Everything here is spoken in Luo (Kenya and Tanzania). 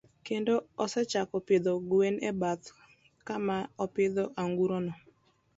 Kendo osechako pidho gwen e bath kama opidhoe anguro no.